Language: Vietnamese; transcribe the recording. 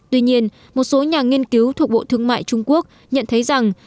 tuy nhiên một số nhà nghiên cứu thuộc bộ thương mại trung quốc nhận thấy rằng